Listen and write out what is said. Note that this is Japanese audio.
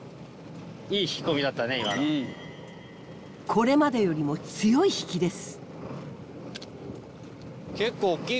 これまでよりも強い引きです。